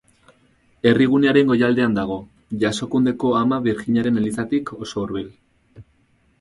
Herrigunearen goialdean dago, Jasokundeko Ama Birjinaren elizatik oso hurbil.